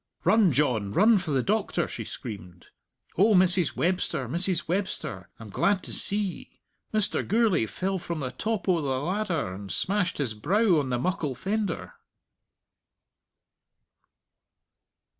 "Run, John; run for the doctor," she screamed. "O Mrs. Webster, Mrs. Webster, I'm glad to see ye. Mr. Gourlay fell from the top o' the ladder, and smashed his brow on the muckle fender."